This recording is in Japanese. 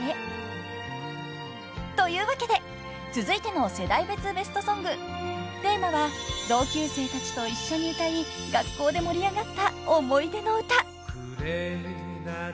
［というわけで続いての世代別ベストソングテーマは同級生たちと一緒に歌い学校で盛り上がった思い出の歌］